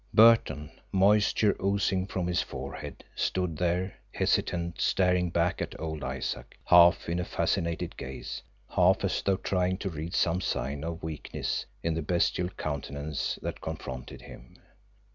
Burton, moisture oozing from his forehead, stood there, hesitant, staring back at old Isaac, half in a fascinated gaze, half as though trying to read some sign of weakness in the bestial countenance that confronted him.